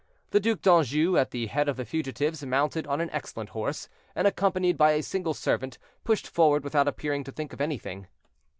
The Duc d'Anjou, at the head of the fugitives, mounted on an excellent horse, and accompanied by a single servant, pushed forward without appearing to think of anything.